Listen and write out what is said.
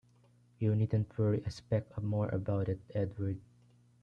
You needn’t worry a speck more about it, Edward.